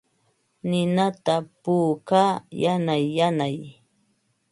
Ninata puukaa yanay yanay.